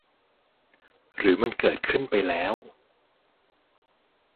หรือมันเกิดขึ้นไปแล้ว